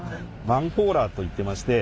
マンホーラーといってまして。